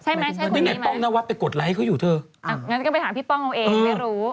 ใช่มั้ยใช่คนนี้ไหมงั้นก็ไปหาพี่ป้องเนอะเองไม่รู้